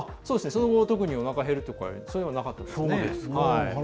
特におなかが減るとかそういうのはなかったです。